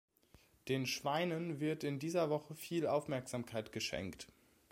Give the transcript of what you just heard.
Den Schweinen wird in dieser Woche viel Aufmerksamkeit geschenkt.